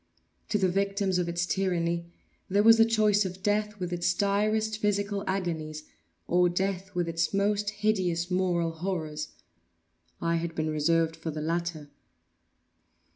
To the victims of its tyranny, there was the choice of death with its direst physical agonies, or death with its most hideous moral horrors. I had been reserved for the latter.